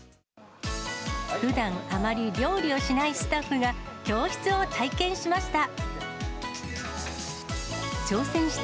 ふだんあまり料理をしないスタッフが、教室を体験しました。